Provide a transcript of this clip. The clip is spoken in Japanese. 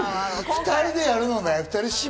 ２人でやるのね。